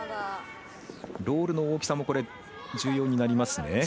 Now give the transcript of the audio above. ロールの大きさも重要になりますね。